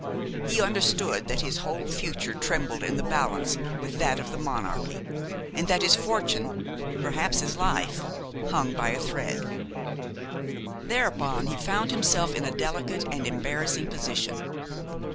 He understood that his whole future trembled in the balance with that of the monarchy, and that his fortune, perhaps his life, hung by a thread. Thereupon he found himself in a delicate and embarrassing position.